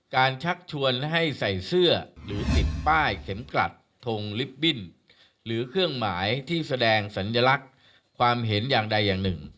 ชักชวนให้ใส่เสื้อหรือติดป้ายเข็มกลัดทงลิปบิ้นหรือเครื่องหมายที่แสดงสัญลักษณ์ความเห็นอย่างใดอย่างหนึ่ง